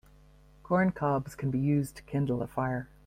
Corn cobs can be used to kindle a fire.